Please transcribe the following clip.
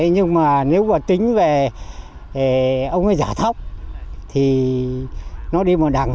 nhưng mà nếu mà tính về ông ấy giả thóc thì nó đi một đằng